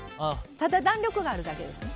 ただ、弾力があるだけです。